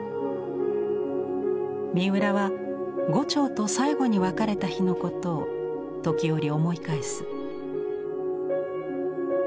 三浦は牛腸と最後に別れた日のことを時折思い返す。